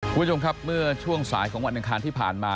คุณผู้ชมครับเมื่อช่วงสายของวันอังคารที่ผ่านมา